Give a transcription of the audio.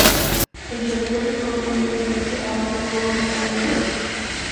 El territorio propio de esta Iglesia abarca todo el Estado húngaro.